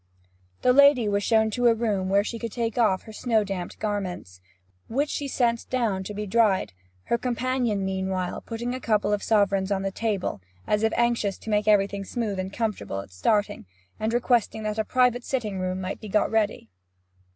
The lady was shown into a room where she could take off her snow damped garments, which she sent down to be dried, her companion, meanwhile, putting a couple of sovereigns on the table, as if anxious to make everything smooth and comfortable at starting, and requesting that a private sitting room might be got ready.